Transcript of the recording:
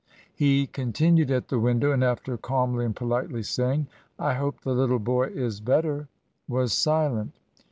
He continued at the window, and after calmly and politely saying, ' I hope the Httle boy is better,' was silent.